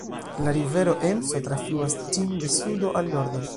La rivero Emso trafluas ĝin de sudo al nordo.